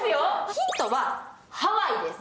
ヒントはハワイです。